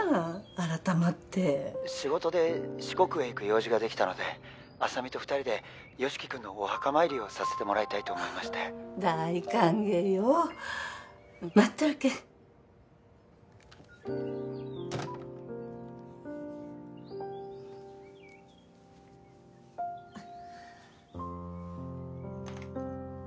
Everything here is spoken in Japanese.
改まって☎仕事で四国へ行く用事ができたので☎浅見と二人で☎由樹君のお墓参りをさせてもらいたいと思いまして大歓迎よ待っとるけん